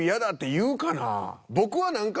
僕は何か。